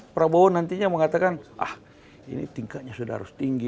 prabowo nantinya mengatakan ah ini tingkatnya sudah harus tinggi